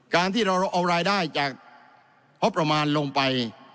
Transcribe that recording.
การที่เราเอารายได้จากงบประมาณลงไป